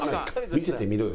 「見せてみろよ」。